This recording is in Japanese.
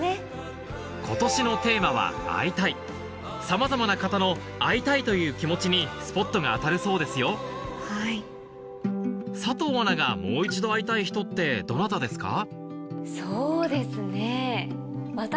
さまざまな方の「会いたい！」という気持ちにスポットが当たるそうですよ佐藤アナがもう一度会いたい人ってどなたですか？